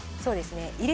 そうですね。